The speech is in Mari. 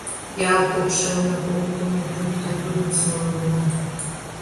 Ял покшелне кок тумо пуйто тудым саламла.